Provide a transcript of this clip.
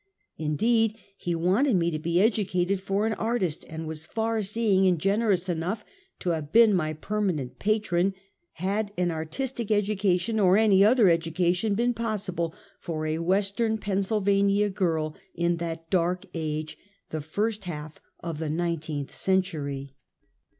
Indeed, he wanted me to be educated for an artist, and was far seeing and gen erous enough to have been my permanent patron, had an artistic education, or any other education, been pos sible for a "Western Pennsylvania girl in that dark age — the first half of the nineteenth century.